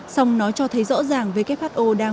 xong nó cho thấy rõ ràng who đang vô vọng